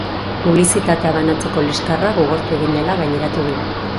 Publizitatea banatzeko liskarra gogortu egin dela gaineratu du.